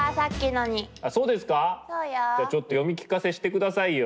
じゃあちょっと読み聞かせしてくださいよ。